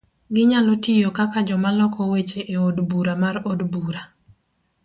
Ginyalo tiyo kaka joma loko weche e od bura mar od bura,